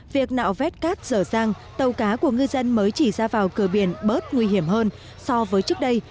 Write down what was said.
việc nạo vét cát dở dàng tàu cá của ngư dân mới chỉ ra vào cửa biển bớt nguy hiểm hơn so với trước đây